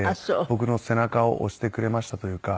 僕の背中を押してくれましたというか。